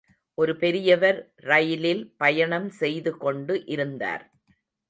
ஒரு பெரியவர் ரயிலில் பயணம் செய்து கொண்டு இருந்தார்.